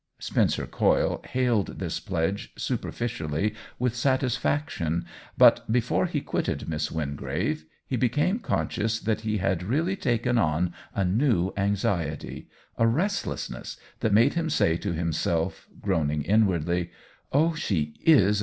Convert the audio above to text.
Spencer Coyle hailed this pledge super ficially with satisfaction, but before he quit ted Miss Wingrave he became conscious that he had really taken on a new anxiety — a restlessness that made him say to him self, groaning inwardly :" Oh, she is z.